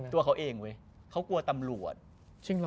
ตัวเขาเองเว้ยเขากลัวตำรวจ